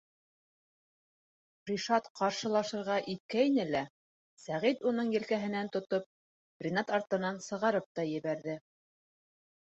Ришат ҡаршылашырға иткәйне лә, Сәғит уның елкәһенән тотоп, Ринат артынан сығарып та ебәрҙе.